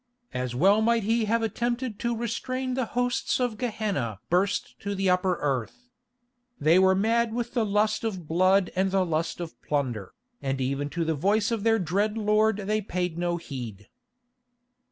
As well might he have attempted to restrain the hosts of Gehenna burst to the upper earth. They were mad with the lust of blood and the lust of plunder, and even to the voice of their dread lord they paid no heed.